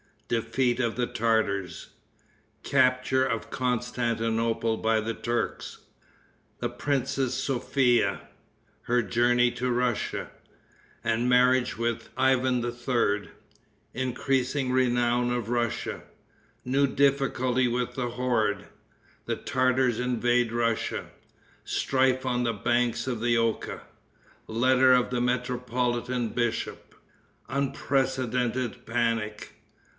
Defeat of the Tartars. Capture of Constantinople by the Turks. The Princess Sophia. Her Journey to Russia, and Marriage with Ivan III. Increasing Renown of Russia. New Difficulty with the Horde. The Tartars Invade Russia. Strife on the Banks of the Oka. Letter of the Metropolitan Bishop. Unprecedented Panic.